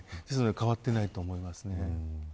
変わっていないと思いますね。